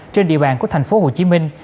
trên địa bàn của thành phố hồ chí minh